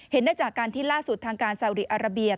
ได้จากการที่ล่าสุดทางการซาวดีอาราเบีย